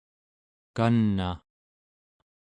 kan'a